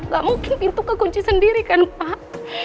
gak mungkin pintu kekunci sendiri kan pak